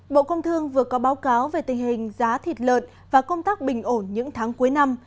bộ công thương vừa có báo cáo về tình hình giá thịt lợn và công tác bình ổn những tháng cuối năm